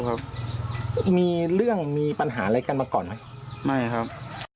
ครับมีเรื่องมีปัญหาอะไรกันมาก่อนไหมไม่ครับ